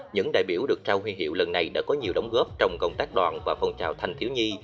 những đại biểu được trao huy hiệu lần này đã có nhiều đóng góp trong công tác đoàn và phong trào thanh thiếu nhi